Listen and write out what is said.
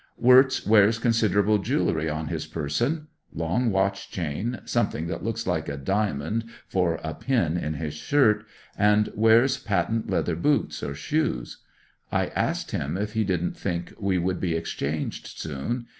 Wirtz wears considerable jewelry on his person — long watch chain, something that looks like a diamond for a pin in his shirt, and wears patent leather boots or shoes I asked him if he didn't think we would be exchanged soon.